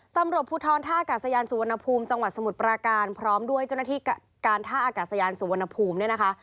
ตำรวจภูทรท่ากาศยานสุวรรณภูมิจังหวัดสมุทรปราการพร้อมด้วยเจ้าหน้าที่การท่าอากาศยานสุวรรณภูมิเนี่ยนะคะ